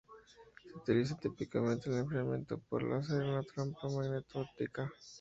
Se utiliza típicamente el enfriamiento por láser en una trampa magneto-óptica.